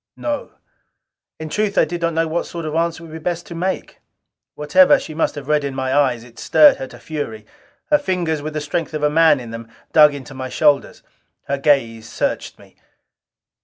"No." In truth, I did not know what sort of answer it would be best to make. Whatever she must have read in my eyes, it stirred her to fury. Her fingers with the strength of a man in them, dug into my shoulders. Her gaze searched me.